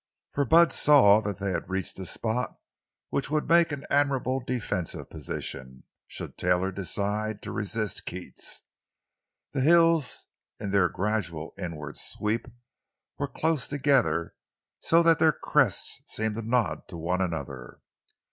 For Bud saw that they had reached a spot which would make an admirable defensive position, should Taylor decide to resist Keats. The hills, in their gradual inward sweep, were close together, so that their crests seemed to nod to one another.